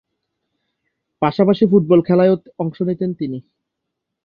পাশাপাশি ফুটবল খেলায়ও অংশ নিতেন তিনি।